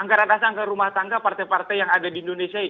anggaran dasar anggaran rumah tangga partai partai yang ada di indonesia